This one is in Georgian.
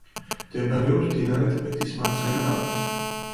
მდებარეობს მდინარე ტბეთის მარცხენა ნაპირზე.